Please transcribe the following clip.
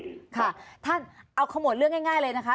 ค่ะท่านเอาขมวดเรื่องง่ายเลยนะคะ